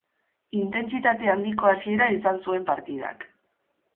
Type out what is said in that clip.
Intentsitate handiko hasiera izan zuen partidak.